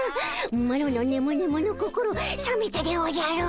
マロのねむねむの心さめたでおじゃる。